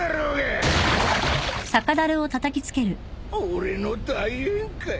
俺の大宴会。